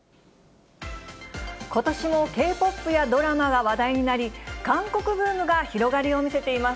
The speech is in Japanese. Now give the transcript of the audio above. ことしもＫ−ＰＯＰやドラマが話題になり、韓国ブームが広がりを見せています。